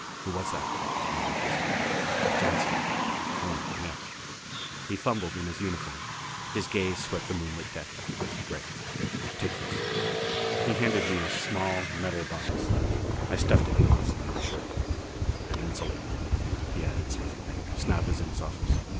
"Who was that?" he half whispered. "Johnson." "Oh, yes." He fumbled in his uniform; his gaze swept the moonlit deck. "Gregg take this." He handed me a small metal box. I stuffed it at once into my shirt. "An insulator," he added swiftly. "Snap is in his office.